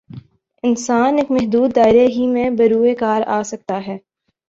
انسان ایک محدود دائرے ہی میں بروئے کار آ سکتا ہے۔